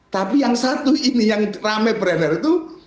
tapi yang satu ini yang rame beredar itu